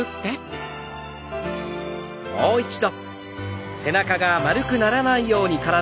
もう一度。